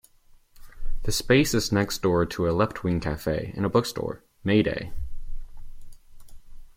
The space is next door to a left-wing cafe and bookstore, May Day.